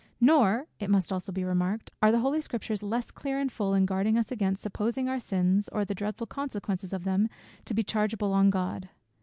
Nor (it must also be remarked) are the holy Scriptures less clear and full in guarding us against supposing our sins, or the dreadful consequences of them, to be chargeable on God.